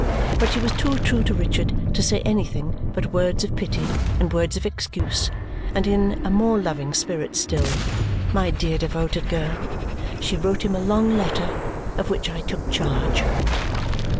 But she was too true to Richard to say anything but words of pity and words of excuse, and in a more loving spirit still my dear devoted girl! she wrote him a long letter, of which I took charge.